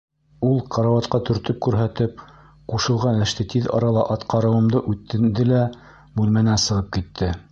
Ул, карауатҡа төртөп күрһәтеп, ҡушылған эште тиҙ арала атҡарыуымды үтенде лә бүлмәнән сығып китте.